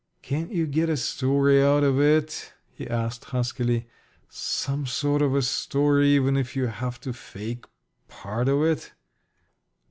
"Can't you get a story out of it?" he asked, huskily. "Some sort of a story, even if you have to fake part of it?"